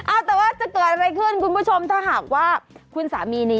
เอาแต่ว่าจะเกิดอะไรขึ้นคุณผู้ชมถ้าหากว่าคุณสามีนี่